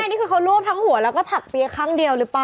นี่คือเขารวบทั้งหัวแล้วก็ถักเปี๊ยกข้างเดียวหรือเปล่า